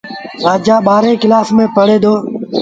رآجآ ٻآهرآݩ ڪلآس پڙهل اهي۔